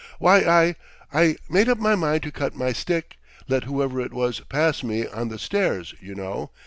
"Why, I I made up my mind to cut my stick let whoever it was pass me on the stairs, you know.